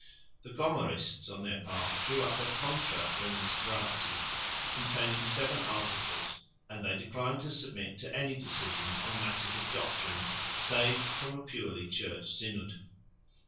The Gomarists on their part drew up a Contra Remonstratie containing seven articles, and they declined to submit to any decision on matters of doctrine, save from a purely Church Synod.